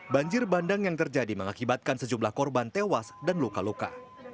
banjir bandang yang terjadi mengakibatkan sejumlah korban tewas dan luka luka